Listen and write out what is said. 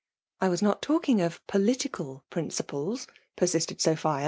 :I was not taUdng of poUikal principles,^ persisted Sophia.